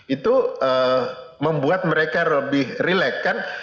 itu membuat mereka lebih relax kan